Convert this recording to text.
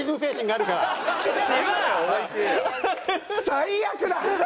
最悪だ！